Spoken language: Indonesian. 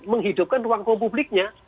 menghidupkan ruang kompubliknya